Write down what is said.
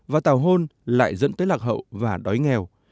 và tào hôn lại dẫn tới lạc hậu và đói nghèo